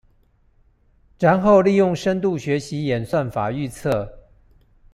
然後利用深度學習演算法預測